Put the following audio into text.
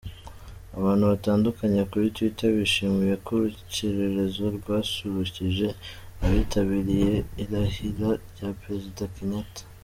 Abantu batandukanye kuri Twitter bishimiye ko Urukerereza rwasurukije abitabiriye irahira rya Perezida Kenyatta.